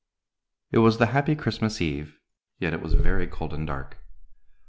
It was the happy Christmas Eve, yet it was very cold and dark.